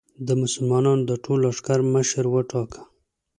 د مسلمانانو د ټول لښکر مشر وټاکه.